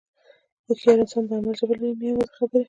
هوښیار انسان د عمل ژبه لري، نه یوازې خبرې.